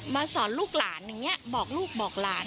สอนลูกหลานอย่างนี้บอกลูกบอกหลาน